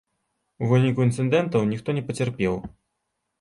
У выніку інцыдэнтаў ніхто не пацярпеў.